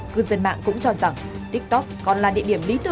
cư dân mạng cũng cho rằng tiktok còn là địa điểm